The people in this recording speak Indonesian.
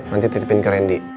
nanti titipin ke randy